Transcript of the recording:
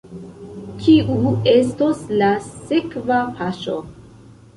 Kiu estos la sekva paŝo?